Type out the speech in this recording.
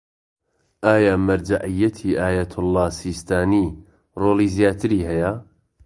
ئایا مەرجەعیەتی ئایەتوڵا سیستانی ڕۆڵی زیاتری هەیە؟